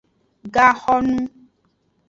Gaxonu.